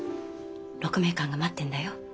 鹿鳴館が待ってんだよ。